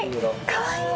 かわいい！